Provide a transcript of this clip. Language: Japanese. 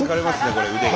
これ腕が。